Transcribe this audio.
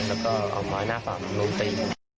แล้วเอาไม้หน้าฝาลมันลงไป